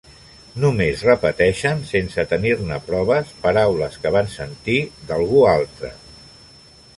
Només repeteixen, sense tenir-ne proves, paraules que van sentir d'algú altre.